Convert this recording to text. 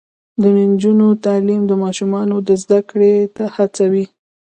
د نجونو تعلیم د ماشومانو زدکړې ته هڅوي.